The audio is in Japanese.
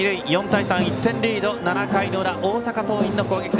４対３、１点リード７回の裏、大阪桐蔭の攻撃。